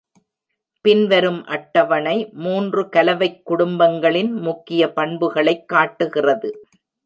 பின்வரும் அட்டவணை மூன்று கலவைக் குடும்பங்களின் முக்கிய பண்புகளைக் காட்டுகிறது.